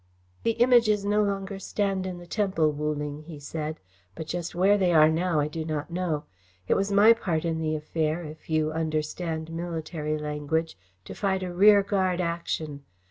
"The Images no longer stand in the Temple, Wu Ling," he said, "but just where they are now I do not know. It was my part of the affair if you understand military language to fight a rearguard action.